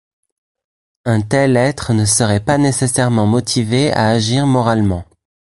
Un tel être ne serait pas nécessairement motivé à agir moralement.